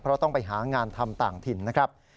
เพราะต้องไปหางานทำต่างถิ่นนะครับ